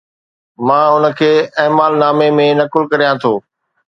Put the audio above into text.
مان ان کي اعمال نامي ۾ نقل ڪريان ٿو